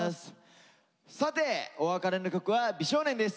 さてお別れの曲は美少年です。